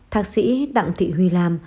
thạc sĩ đặng thị huy lam